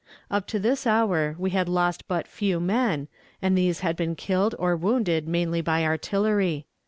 Up to this hour we had lost but few men, and these had been killed or wounded mainly by artillery.